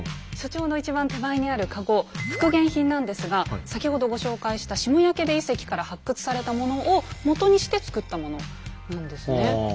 所長の一番手前にあるカゴ復元品なんですが先ほどご紹介した下宅部遺跡から発掘されたものをもとにしてつくったものなんですね。